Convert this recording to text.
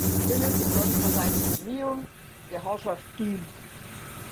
Philipp bekam für seine Bemühungen die Herrschaft Gien.